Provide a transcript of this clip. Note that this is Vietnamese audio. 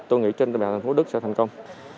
tôi nghĩ trên mạng thành phố đức sẽ thành công